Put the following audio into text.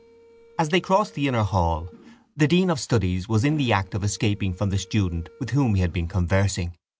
As they crossed the inner hall, the dean of studies was in the act of escaping from the student with whom he had been conversing.